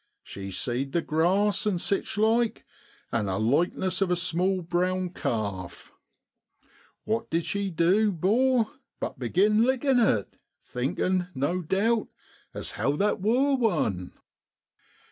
She seed the grass an' sich like, and a likeness of a small brown calf. What did she du, 'bor, but begin lickin' it, thinkin', no doubt, as how that wor one.